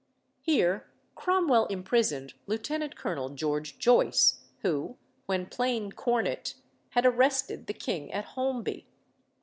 Here Cromwell imprisoned Lieut. Colonel George Joyce, who, when plain cornet, had arrested the king at Holmby.